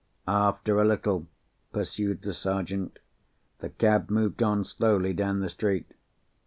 "After a little," pursued the Sergeant, "the cab moved on slowly down the street.